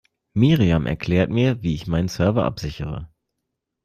Miriam erklärt mir, wie ich meinen Server absichere.